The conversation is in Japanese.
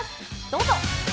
どうぞ。